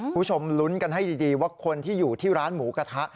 คุณผู้ชมลุ้นกันให้ดีว่าคนที่อยู่ที่ร้านหมูกระทะ